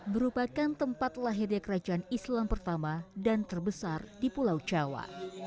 merupakan tempat lahirnya kerajaan islam pertama dan terbesar di pulau jawa